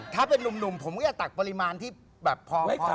ถ้าเป็นนุ่มผมก็จะตักปริมาณที่แบบพอ